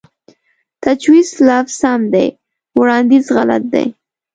تجويز لفظ سم دے وړانديز غلط دے